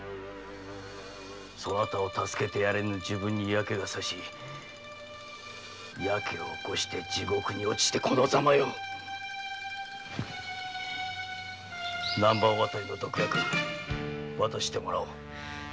そなたを助けてやれぬ自分に嫌気がさしヤケを起こして地獄に落ちてこのザマよ南蛮渡りの毒薬渡してもらおう。